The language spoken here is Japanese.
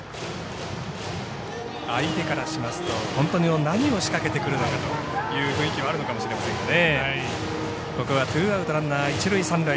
相手からしますと本当に何を仕掛けてくるのかという雰囲気もあるのかもしれませんね。